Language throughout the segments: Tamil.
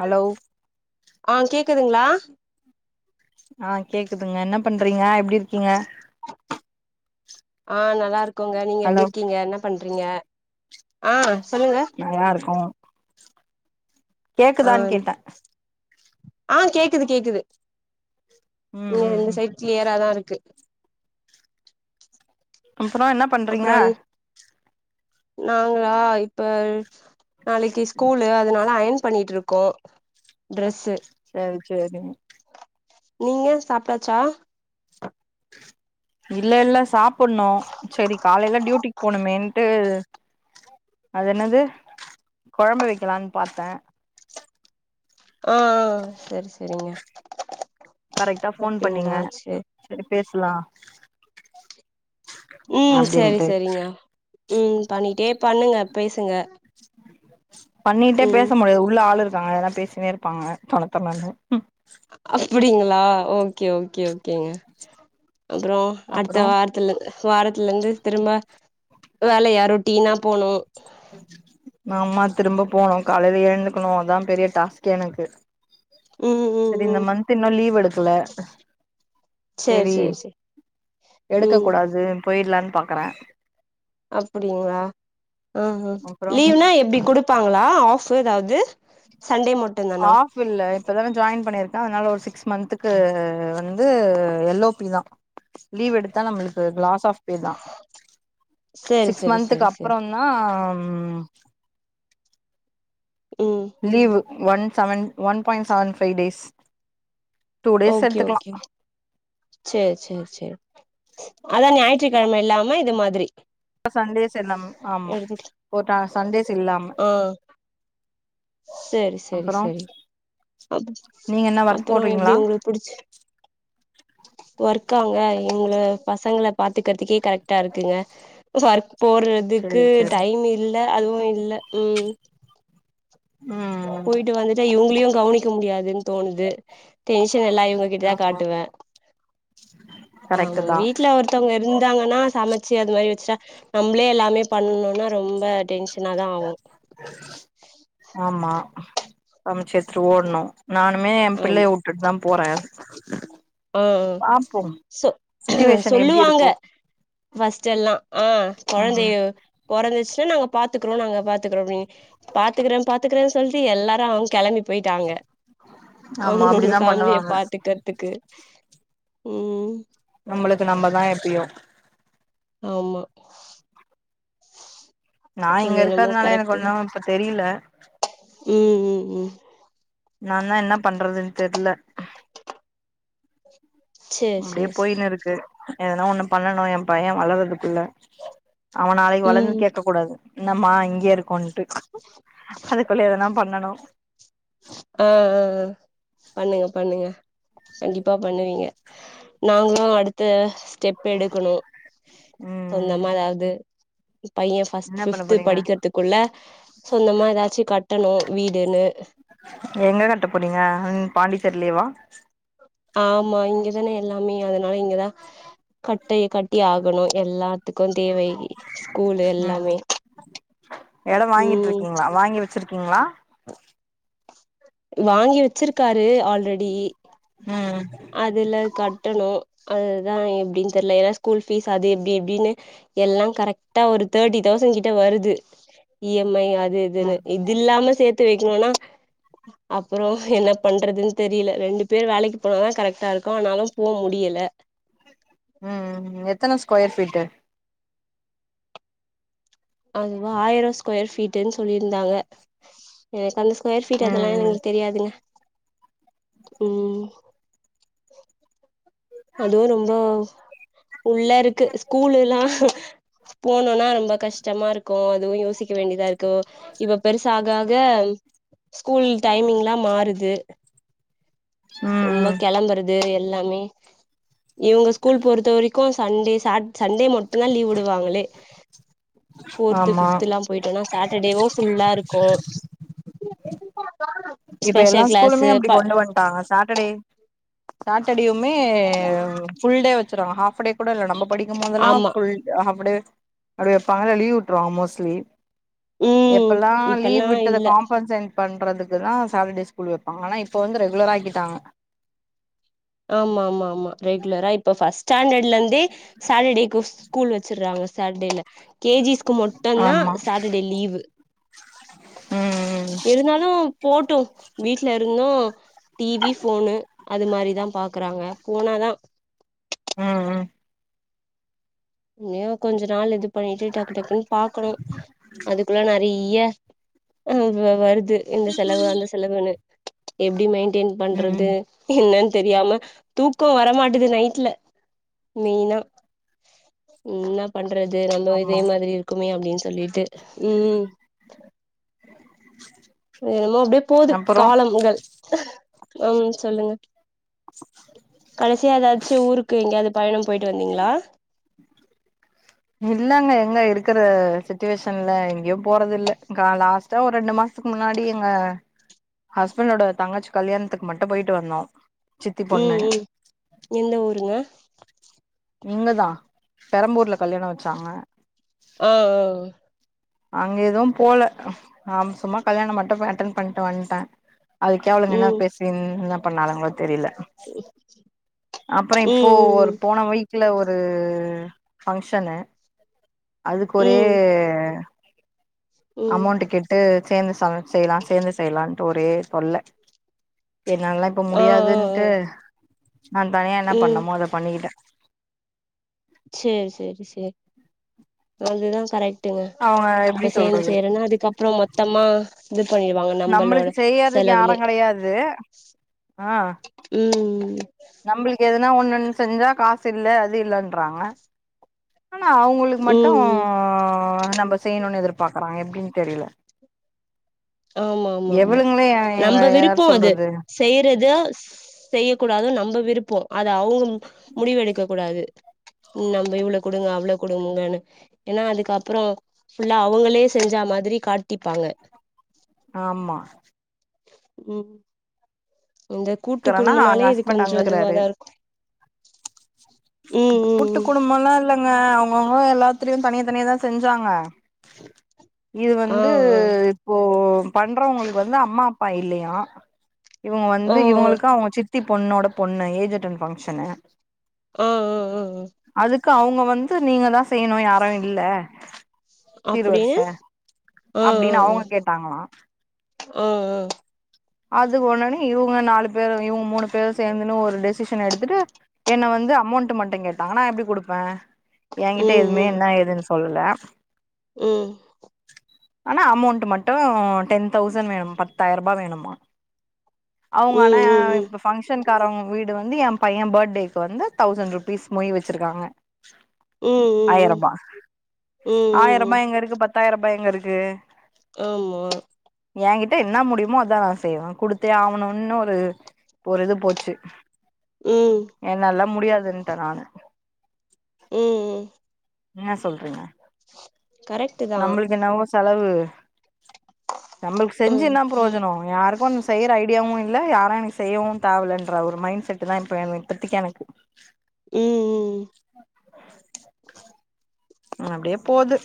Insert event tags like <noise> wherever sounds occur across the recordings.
ஹலோ ஆ கேக்குதுங்களா ஆ கேக்குதுங்க என்ன பண்றீங்க எப்டி இரு ஆ நல்லா இருக்கோங்க நீங்க ஹலோ எப்டி இருக்கீங்க என்ன பண்றீங்க ஆ சொல்லுங்க நல்லா இருக்கோம் ஆ கேக்குதான்னு கேட்டேன் ஆ கேக்குது கேக்குது ம் நீங்க ம் இந்த ம் சைட் கிளியரா தான் இருக்கு அப்றோம் என்ன பண்றீங்க அப்றோ நாங்களா இப்போ நாளைக்கு ஸ்கூலு அதனால அயன் பண்ணிட்டு இருக்கோம் டிரஸ்ஸு செரி செரிங்க நீங்க சாப்டாச்சா இல்ல இல்ல சாப்ட்ணு செரி காலையில டியூட்டிக்கு போணுமேன்ட்டு அது என்னது கொழம்பு வைக்கலானு பாத்தே ஆ ஆ ஆ செரி செரிங்க கரெக்டா ஃபோன் பண்ணிங்க சரி செரி பேசலா ம் செரி அப்டின்ட்டு செரிங்க ம் பண்ணிட்டே பண்ணுங்க பேசுங்க பண்ணிட்டே பேச ம் முடியாது உள்ள ஆளு இருக்காங்க அதல்லா பே சினே இருப்பாங்க தொண தொணன்னு அப்டிங்களா ஓகே ஓகே ஓகேங்க அப்றோ அப்புறோ அடுத்த வார த்துல வாரத்துல இருந்து திரும்ப வேலய ரொட்டீனா போனு ம் ம் ஆமா திரும்ப போணு காலையில எழுந்துக்கணு அதா பெரிய டாஸ்கே எனக்கு ம் ம் செரி இந்த ம் மந்த் இன்னு லீவ் எடுக்குல சேரி செரி சேரி சேரி எடுக்க ம் கூடாது போய்டலான்னு பாக்குறே அப்டிங்களா ம் ம் அப்புறோ லீவ்னா எப்டி குடு ப்பாங்களா ஆஃப் எதாவ்து சண்டே மட்டுதானா <unintelligible> இப்பதானே ஜாயின் பண்ணியிருக்கே அதனால ஒரு சிக்ஸ்ஸு மந்த்துக்கு வந்து எல் ஓ பி தா லீவ் எடுத்தா நமளுக்கு லாஸ் ஆஃப் பெ தா சேரி சிக்ஸ்ஸு சேரி மந்தக்கு சேரி அப்றோ சேரி ன்னா ம் leave one seven one point seven five days two days okay எடுத்துக்கலா ஓகே செர் செர் செர் அதா ஞாயிற்றுக்கெழம இல்லாம இது மாதிரி சண்டேஸ் இல்ல ஆமா எடுத்துக்கலா போட்ட சண்டேஸ் இல்லாம செரி செரி அப்புறோ செரி <unintelligible> நீங்க என்ன ஒர்க் அப்பறோ எப்டி போடுறீங்களா உங்களுக்கு புடிச்சு ஒர்க்காங்க எங்கள பசங்கள பாத்துக்கறதுக்கே கரெக்ட்டா இருக்குங்க ஒர்க் சேரி போறதுக்கு சேரி டைம் இல்ல அதுவு இல்ல ம் ம் போய்ட்டு வந்துட்டா இவுங்களியு கவனிக்க முடியாதுன்னு தோணுது டென்ஷன் எல்லா இவுங்ககிட்டதா ஆமா காட்டுவே கரெக்ட் ஆமா தா வீட்டுல ஒருத் தவங்க இருந்தங்கன்னா சமச்சு அது மாரி வச்சா நம்பளே எல்லாமே பண்ணுன ரொம்ப டென் ஷனாதா ஆவு ஆமா சமச்சி வச்சிட்டு ஓட்ணு நானுமே எ ஆமா புள்ளைய வுட் டுட்தா போறே ஓ ஓ பாப்போ சொ சிட்டுவேஷன் எப்டி சொல்லுவாங்க இருக்கு ஃப்ஸ்டெல்லா ஆ ம் கொழந்தைய பொறந்துச்சுன்னா நாங்க பாத்துக்குறோ நாங்க பாத்துக்குறோ அப்டினு பாத்துக்குறே பாத்துக்குறேனு சொல்ட்டு எல்லாரு அவுங் கெளம்பி போய்ட்டாங்க ஆமா அவுங்க அவுங்க அப்டிதா ஃபேமிலிய பண்ணுவாங்க பாத்துகுறத்துக்கு ம் நம்ளுக்கு நம்மதா எப்பியு ஆமா நா அது இங்க என்னமோ இருக்கிறதுனால எனக்கு கரெக்ட் தா ஒன்னு இப்ப தெரியில ம் ம் ம் நாந்தா என்னா பண்றதுனு தெரில சேரி அப்டியே சேரி சேரி போயினு இருக்கு எதுனா ஒண்ணு பண்ணணு எ பைய வளறதுக்குள்ள அவ நாளைக்கு வளந்து ம் கேக்க கூடாது என்னமா இங்கயே இருக்கோன்ட்டு அதுக்குள்ள எதுனா பண்ணணு ஆ ஆ ஆ பண்ணுங்க பண்ணுங்க கண்டிப்பா பண்ணுவீங்க நாங்களு அடுத்த ஸ்டெப் பு எடுக்கணு ம் சொந்தமா எதாவது பைய ஃபஸ் என்ன பண்ண பிஃப்து போறீங்க படிக்கிறதுக் குள்ள சொந்தமா ஏதாச்சு கட்டணு வீடுனு எங்க கட்ட போறீங்க ம் பாண்டிச்சேர்லேயவா ஆமா இங்கதானே எல்லாமே அதனால இங்கதா கட்டை கட்டி ஆகணு எல்லாத் த்துக்கும் தேவை ஸ்கூல் ம் எல்லாமே எடோ வாங்கிட்டு ம் இருக்கீங்களா வாங்கி வச்சிருக்கீங்களா வாங்கி வச்சிருக்காரு ஆல்ரெடி ம் அதுல கட்டணு அதுதா எப்டின் தெரில ஏன்னா ஸ்கூல் ஃபீஸ் அது எப்டி எப்டினு எல்லாம் கரெக்டா ஒரு தேட்டி தௌசண் கிட்ட வருது இ எம் ஐ அது இதுனு ம் இது இல்லாம சேத்து வைக்கணும்னா அப்பற என்ன பண்றதுன் தெரியல ரெண்டு பேர் வேலைக்கு போனாதா கரெக்டா இருக்கு ஆனாலு போ முடியல ம் ம் எத்தன ஸ்கொயர்ஃபீட்டு அதுவா ஆயிரோ ஸ்கொயர் ஃபீட்டுன் சொல்லிருந்தாங்க எனக்கு அந்த ஸ்கொயர் ஃபீட் அதெல்லா ம் ம் எங்க தெரியாதுங்க ம் அதுவு ரொம்ப உள்ள இருக்கு ஸ்கூல் எல்லா போனுனா ரொம்ப கஷ்டமா இருக்கு அதுவு யோசிக்க வேண்டியதா இருக்கு இப்ப பெருசு ஆக ஆக ஸ்கூல் டைமிங் எல்லா மாறுது ம் ரொம்ப ம் கெளம்புறது எல்லாமே இவங்க ஸ்கூல் பொறுத்த வரைக்கு சண்டே சாட் சண்டே மட்டுந்தா லீவ் விடுவாங்களே ஃபோர்த்து ஆமா ஃபிஃப்துலா போயிட்டோனா சாட்டர்டேவு ஃபுல்லா இருக்கு இப்ப எல்லா ஸ்பெஷல் ஸ்கூலுமே கிளாஸு அப்டி ப கொண்டு வந் டாங்க சாட்டடே சாட்டடுமே ஃபுல் டே வச்சுருவாங்க ஹாஃப டே கூட இல்ல நம்ம படிக்கு போதெல்லா ஆமா ஃபுல் ஹாஃப டே அப்டி வைப்பாங்க இல்ல லீவு விட்ருவாங்க மோஸ்ட்லி ம் எப்பல்லா லீவ் இப்பல்லா விட்டத இல்ல காம்பன்சன்ட் பண்றதுக்குதா சாட்டடே ஸ்கூல் வைப்பாங்க ஆனா இப்ப ரெகுலரா ஆகிட்டாங்க ஆமா ஆமா ஆமா ரெகுலரா இப்ப ஃபஸ்ட் ஸ்டாண்டட்ல இருந்தே சாட்டர்டேக்கு ஸ்கூல் வச்சுறாங்க சாட்டடேல கேஜிஸ்க்கு மட் மட்டுந்தா ஆமா சாட்டடே லீவு ம் இருந்தாலு போட்டு வீட்ல இருந்து டிவி ஃபோனு அது மாரி தா பாக்கறாங்க ஃபோனா தா ம் ம் இயோ கொஞ்ச நாள் இது பண்ணிட்டு டக்கு டக்குன் பாக்கணு அதுக்குள்ள நறிய அ வ வருது இந்த செலவு அந்த செலவுனு எப்டி மெயின்டெயின் ம் ம் பண்றது என்னன் தெரியாம தூக்க வரமாட்டது நைட்ல மெயினா இன்னா பண்றது நம்மளு இதே ஆமா மாதிரி இருக்குமே அப்டினு சொல்லிட்டு ம் என்னமோ அப்டியே போது அப்பறோ காலம் முதல் ம் சொல்லுங்க கடைசியா ஏதாச்சு ஊருக்கு எங்கயாவது பயணம் போய்ட்டு வந்தீங்ளா இல்லங்க எங்க இருக்கற சுட்டுவேஷன்ல எங்கேயு போறதுல்ல கா லா தோ ஒரு ரெண்டு மாசத்துக்கு முன்னாடி எங்க ஹஸ்பண்டோட தங்கச்சி கல்யாணத்துக்கு மட்டு போய்ட்டு வந்தோ சித்தி பொண்ணு ம் ம் எந்த ஊருங்க இங்கதா பெரம்பூர்ல கல்யாணோ வெச்சாங்க அ அ அ அங்க எதுவு போல ஆம் சும்மா கல்யாணோ மட்டும் போய் அட்டன் பண்ட்டு வந்ட்டே அதுக்கே அவுளுங்க என்ன ம் பேசினு என்ன பண்ணாளுங்களோ தெரில அப்றோ இப்போ ம் ஒரு ம் போன வீக் வீட்ல ஒரு ஃபங்க்ஷனு அதுக்கு ஒரே ம் ம் அமௌண்ட்டு கெட்டு சேந்து சமச்சு செய்லா சேந்து செய்லானு ஒரே தொல்ல என்னாலல்லா இப்ப ஆ ஆ முடியாதுன்ட்டு நா தனியா என்ன ஆ ம் பண்ணமோ அத பண்ணிக்கிட்ட செரி செரி செரி அதுதா கரெக்ட் டுங்க அவங்க எப்டி இப்ப சேந்து சொல்றது செய்றேன்னு அதுக்கப்றோ மொத்தமா இது பண்ணிருவாங்க நம்மளோட நம்மளுக்கு செய்யறதுக்கு யாரு செலவுலே கெடையாது ம் நம்ளுக்கு எதனா ஒண்ணுன் செஞ்சா காசு இல்ல அது இல்லன்றாங்க ஆனா அவுங்களுக்கு மட்டு ம் நம்ம செய்ணுனு எதிர்பாக்குறாங்க எப்டின்னு தெரில ஆமா ஆமா ஆமா எவளுங்களே எங்க நம்ப விருப்போ யார் அது சொல்றது செய்றத செய்யக்கூடாது நம்ப விருப்போ அது அவுங்க முடிவு எடுக்க கூடாது நம்ம இவ்ளோ குடுங்க அவ்ளோ குடுங்கன்னு ஏனா அதுக்கப்புறோ ஃபுல்லா அவுங்களே செஞ்சா மாதிரி காட்டிப்பாங்க ஆமா ம் இந்த கூட்டு க்கறனா எங்க குடும்பனாலே இது ஹஸ்பண்ட் கொஞ்சோ அங்க இருக்கறாரு இதுவாதாருக்கு ம் கூட்டு ம் குடும்போல்லா இல்லங்க அவுங்கவுங்க எல்லாத்துலியு தனியா தனியாதா செஞ்சாங்க இது ஆ வந்து இப்போ பண்றவங்களுக்கு வந்து அம்மா அப்பா இல்லயா இவுங்க ஆ ஆ வந்து இவுங்களுக்கு அவுங்க சித் தி பொண்ணோட பொண்ணு ஏஜ் அட்டன் ஃபங்க்ஷனு அ அதுக்கு அவுங்க வந்து நீங்க தா செய்யணு யாரு இல்ல சீர் வருச அப்டின்னு அப்டின்னு அவுங்களு கேட்டாங்களா அ அ அது ஒடனே இவுங்க நாலு பேரு இவுங்க மூணு பேரு சேந்துன்னு ஒரு டெஸ் ஷிஸன் எடுத்துட்டு என்ன வந்து அமௌண்ட்டு மட்டு கேட்டாங்க நா எப்டி குடுப்பே ஏ கிட்ட எதுவுமே ம் என்ன ஏதுனு சொல்லல ம் ஆனா அமௌண்ட்டு மட்டு டென் தௌசண்ட் வேணு பத்தாயிர ரூபா வேணுமா அவுங்க ஆனா ம் ம் இப்ப பங்க்ஷன்காரவுங்க வீடு வந்து ஏ பையே பர்த்டேக்கு வந்து தௌசண்ட் ரூப்பிஸ் மொய் வச்சுருக்காங்க ம் ம் ஆயிர் ம் ம் ரூபா ம் ஆயிர் ம் ரூபா ம் எங்கருக்கு பத்தாயிர ரூபா எங்க இருக்கு ஆமா ஏங்கிட்ட என்ன முடியுமோ அதா நா செய்வே குடுத்தே ஆகணும்னு ஒரு ஒரு இது போச்சு உம் என்னலா முடியாதுன்ட நானு உம் உம் என்ன சொல்றீங்க கரெக்ட்டு தா நம்ளுக் என்ன ஓ செலவு நம்ளுக் செஞ்சி ம் என்ன பிரயோஜனோ யாருக்கு செய்யற ஐடியாவு இல்ல யாரு எனக்கு செய்யவு தேவ என்ற ஒரு மைண்ட் செட்டு இது எல்லா இப்ப எனக்கு திப்திக்க எனக்கு உம் <inaudible> அப்டியே போது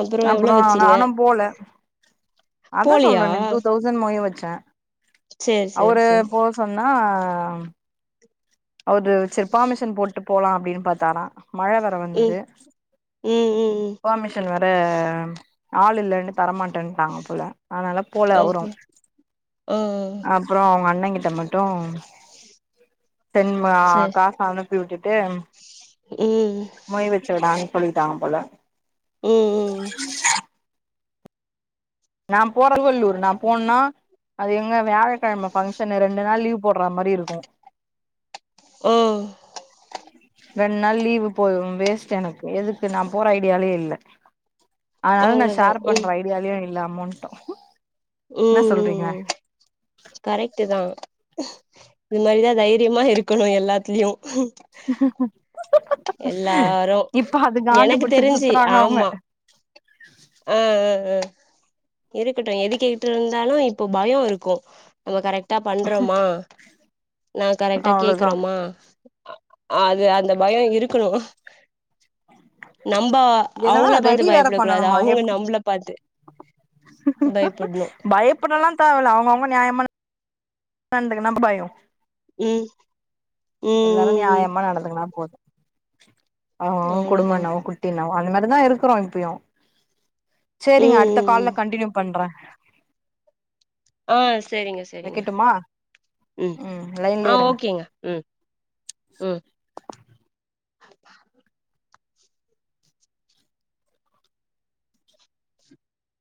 அப்றோ எவ்ளோ அப்ரோ வச்சீங்க நானு போல அதா போலியா சொல்றனே டூ தௌசண்ட் மொய் வச்ச சேரி சேரி அவரு சேரி போஸ் சொன்னா அது சிற்பாமிஷன் போட்டு போலா அப்டின்னு பாத்தாரா மழ வ ம் வந்தது ம் ம் ம் பெர்மிஷன் வேற ஆளு இல்லன்னு தரமாட்டேன்ட்டாங்க போல அதனாலப் போல அவுரு ஓகே ஆ ஆ அப்புறோ அவங்க அண்ண கிட்ட மட்டு உ சென்மா காசு அனுப்பி விட்டுட்டு ஏய் மொய் வச்சி விடாங்கு சொல்லிட்டாங்க போல உம் <inaudible> நா போற திருவள்ளூரு நா போன்னா அது எங்க வியாழக்கிழம ஃபங்க்ஷன் ரெண்டு நாள் லீவ் போடுற மாரி இருக்கு ஆ ரெண்டு நாள் லீவு் போய்ரு வேஸ்ட் எனக்கு எதுக்கு நா போற ஐடியாலேயே இல்ல அதனால நா அவ்ளோதா ஷேர் ம் பண்ற ஐடியா இல்ல அமௌன்ட்டு உம் சொல்றங்க கரெக்டு தா இது மாரிதா தைரியமா இருக்கணு எல்லாத்துலையு இப்ப அது காண்டு எனக்கு புடிச்சிட்சு தெரிஞ்சு சுத்துறாங்க அவங்க அ அ அ இருக்கட்டும் எது கேட்டு இருந்தாலு இப்போ பயோ இருக்கு நம்ம கரெக்ட்டா பண்றோமா நா கரெக்டா அவ்ளோதா கேக்குறோமா அ அது அந்த பயோ இருக்கணு நம்ப என்ன வேற அவங்கள ரெடி பாத்து வேற பயப்படக்க கூடாது பண்ணணுமா எப் அவங்க நம்மள பாத்து பயப்படணு பயப்படலா தேவ இல்ல அவங்கவுங்க நியாயமா நடந்துக்குனா பயோ ம் ம் எல்லாரு ம் ம் நியாயமா நடந்துக்குனா போது அவ்ங்க அவ்ங்க குடும்போ அவ்ளோதா என்னமோ குட்டி என்னமோ அந்த மாதிரிதா இருக்கிறோ இப்பயு சேரிங்க ம் அடுத்த ம் ம் கால்ல கண்டினியூ பண்ற ஆ சரிங்க சரிங்க வைக்கட்டுமா ம் லைன்லயே ஆ இருங்க ஓகேங்க ம் ம்